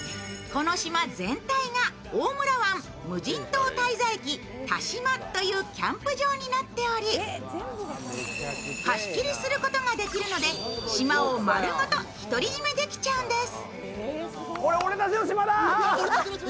この島全体が大村湾無人島滞在記田島というキャンプ場になっており、貸し切りすることができるので島を丸ごと独り占めできちゃうんです。